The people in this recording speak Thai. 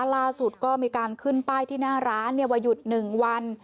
ล่าสุดก็มีการขึ้นไปที่หน้าร้านเนี่ยว่าหยุดหนึ่งวัน